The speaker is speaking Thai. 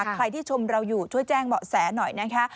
ใครที่ชมเราอยู่ช่วยแจ้งเบาะแสหน่อยนะคะ